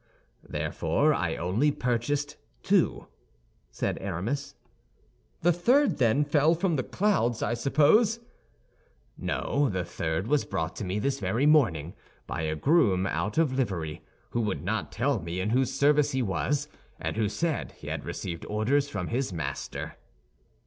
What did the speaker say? "Therefore I only purchased two," said Aramis. "The third, then, fell from the clouds, I suppose?" "No, the third was brought to me this very morning by a groom out of livery, who would not tell me in whose service he was, and who said he had received orders from his master."